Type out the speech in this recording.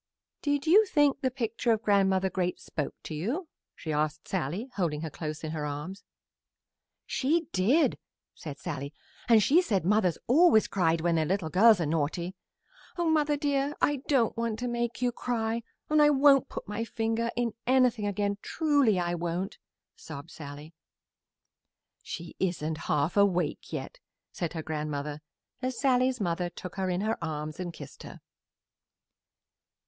"Did you think the picture of Grandmother Great spoke to you?" she asked Sallie, holding her close in her arms. "She did," said Sallie, "and she said mothers always cried when their little girls are naughty. Oh, mother dear, I don't want to make you cry, and I won't put my finger in anything again, truly I won't!" sobbed Sallie. "She isn't half awake yet," said her grandmother as Sallie's mother took her in her arms and kissed her.